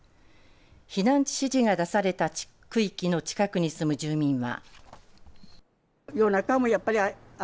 避難指示が出された区域の近くに住む住民は。